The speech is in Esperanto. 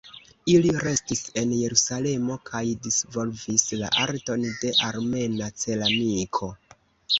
Ili restis en Jerusalemo kaj disvolvis la arton de armena ceramiko.